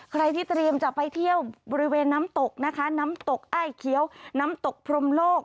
ใครที่เตรียมจะไปเที่ยวบริเวณน้ำตกนะคะน้ำตกอ้ายเคี้ยวน้ำตกพรมโลก